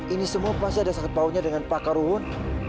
ini semua pasti ada sekepaunya dengan pak karuhun